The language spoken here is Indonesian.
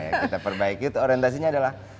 kita perbaiki itu orientasinya adalah